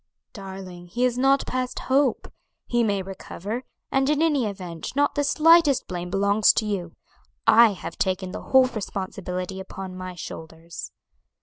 "Darling, he is not past hope; he may recover, and in any event not the slightest blame belongs to you. I have taken the whole responsibility upon my shoulders."